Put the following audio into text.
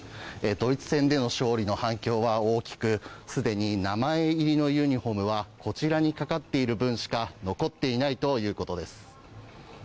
ドイツ戦での勝利の反響は大きくすでに名前入りのユニホームはこちらにかかっている分しか残っていないということです。